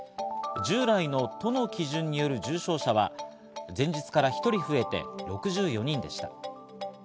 従来の都の基準による重症者は前日から１人増えて６４人でした。